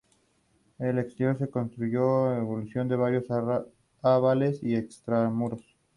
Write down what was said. El exterior se constituyó por evolución de varios arrabales a extramuros.